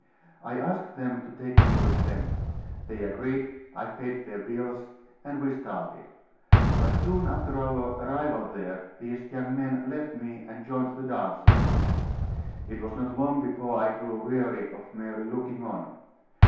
I asked them to take me with them; they agreed, I paid their bills, and we started. But soon after our arrival there these young men left me and joined the dancers. It was not long before I grew weary of merely looking on.